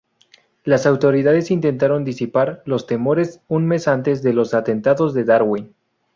Las autoridades intentaron disipar los temores un mes antes de los atentados de Darwin.